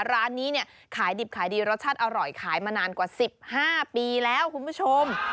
ร้านนี้เนี่ยขายดิบขายดีรสชาติอร่อยขายมานานกว่า๑๕ปีแล้วคุณผู้ชม